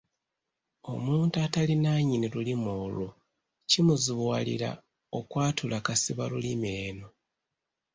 Omuntu atali nnannyini lulimi olwo kimuzibuwalira okwatula kasibalulimi eno.